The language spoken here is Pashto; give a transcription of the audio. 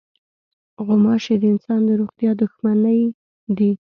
غوماشې د انسان د روغتیا دښمنې دي.